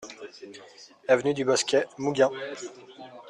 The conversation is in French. Avenue du Bosquet, Mougins